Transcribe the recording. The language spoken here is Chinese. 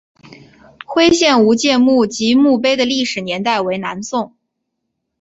徽县吴玠墓及墓碑的历史年代为南宋。